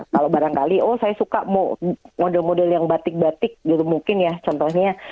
kalau barangkali oh saya suka model model yang batik batik gitu mungkin ya contohnya